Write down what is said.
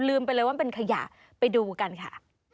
ไปเลยว่าเป็นขยะไปดูกันค่ะ